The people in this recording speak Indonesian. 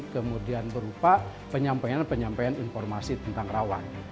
kemudian berupa penyampaian penyampaian informasi tentang rawan